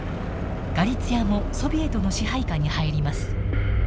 ガリツィアもソビエトの支配下に入ります。